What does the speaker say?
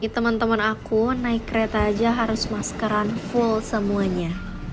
teman teman aku naik kereta aja harus maskeran full semuanya